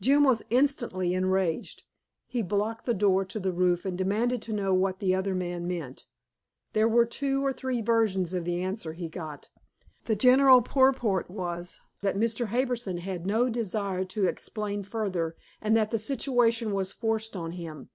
Jim was instantly enraged; he blocked the door to the roof and demanded to know what the other man meant. There were two or three versions of the answer he got. The general purport was that Mr. Harbison had no desire to explain further, and that the situation was forced on him.